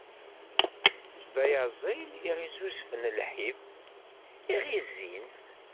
D ayaẓil i ɣ-izzuzfen lḥif, i ɣ-izzin.